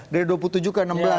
dari dua puluh tujuh ke enam belas